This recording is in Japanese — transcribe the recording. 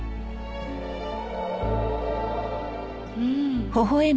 うん！